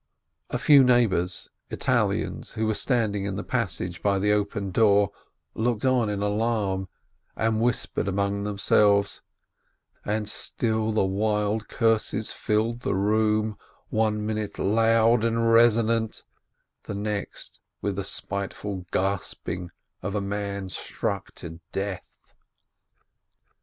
A few neighbors, Italians, who were standing in the passage by the open door, looked on in alarm, and whispered among themselves, and still the wild curses filled the room, one minute loud and resonant, the next with the spiteful gasping of a man struck to death.